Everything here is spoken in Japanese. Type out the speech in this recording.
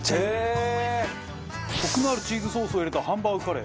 コクのあるチーズソースを入れたハンバーグカレー。